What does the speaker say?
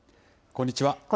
こんにちは。